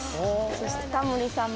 そしてタモリさん